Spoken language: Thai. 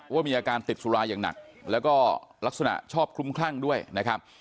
ว่ามีอาการติดสุราอย่างหนักแล้วก็ลักษณะชอบคลุ้มคลั่งด้วยนะครับ